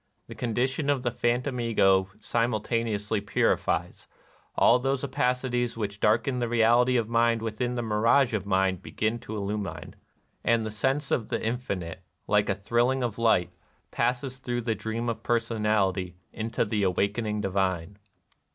Tlie condition of the phantom Ego simultaneously purifies : all those opa cities which darkened the reality of Mind within the mirage of mind begin to illumine ; and the sense of the infinite, like a thrilling of light, passes through the dream of personality into the awakening divine.